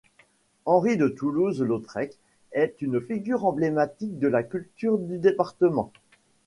Henri de Toulouse-Lautrec est une figure emblématique de la culture du département.